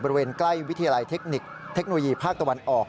บริเวณใกล้วิทยาลัยเทคนิคเทคโนโลยีภาคตะวันออก